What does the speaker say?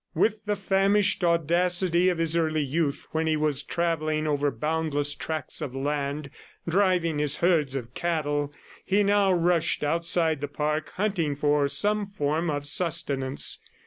With the famished audacity of his early youth, when he was travelling over boundless tracts of land, driving his herds of cattle, he now rushed outside the park, hunting for some form of sustenance.